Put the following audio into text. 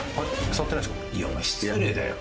いやお前失礼だよ